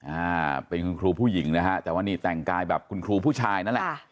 อ่าเป็นคุณครูผู้หญิงนะฮะแต่ว่านี่แต่งกายแบบคุณครูผู้ชายนั่นแหละค่ะ